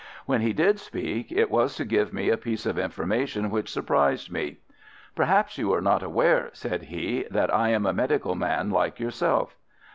When he did speak it was to give me a piece of information which surprised me. "Perhaps you are not aware," said he, "that I am a medical man like yourself?"